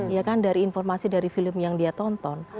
ya kan dari informasi dari film yang dia tonton